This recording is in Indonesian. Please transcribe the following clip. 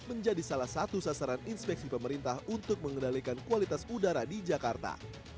menjadi salah satu sasaran inspeksi pemerintah untuk mengendalikan kualitas udara di jakarta